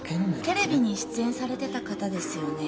テレビに出演されてた方ですよね？